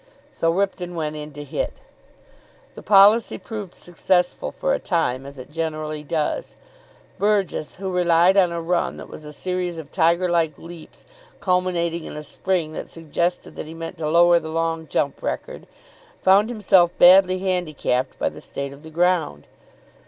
So Ripton went in to hit. The policy proved successful for a time, as it generally does. Burgess, who relied on a run that was a series of tiger like leaps culminating in a spring that suggested that he meant to lower the long jump record, found himself badly handicapped by the state of the ground.